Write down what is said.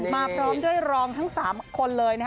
มาพร้อมด้วยรองทั้งสามคนเลยนะฮะ